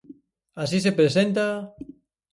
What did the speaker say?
Así se presenta...